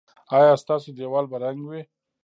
ایا ستاسو دیوال به رنګ وي؟